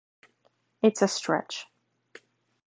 It's a stretch.